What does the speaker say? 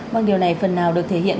bằng điều này phần nào được thể hiện